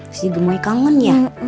pasti gemoy kangen ya